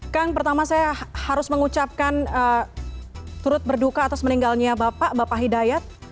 kang pertama saya harus mengucapkan turut berduka atas meninggalnya bapak bapak hidayat